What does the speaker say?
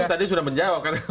tapi ibu tadi sudah menjawab kan